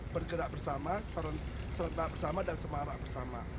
bergerak bersama serentak bersama dan semarak bersama